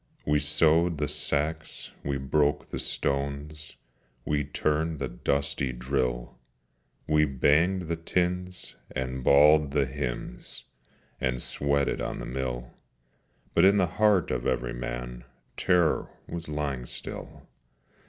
We sewed the sacks, we broke the stones, We turned the dusty drill: We banged the tins, and bawled the hymns, And sweated on the mill: But in the heart of every man Terror was lying still.